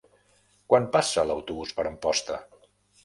Quan passa l'autobús per Amposta?